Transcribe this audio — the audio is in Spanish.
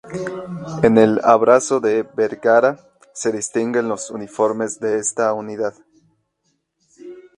En el Abrazo de Vergara se distinguen los uniformes de esta unidad.